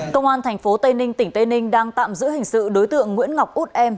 công an tp tây ninh tỉnh tây ninh đang tạm giữ hình sự đối tượng nguyễn ngọc út em